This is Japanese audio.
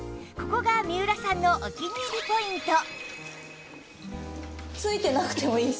ここが三浦さんのお気に入りポイント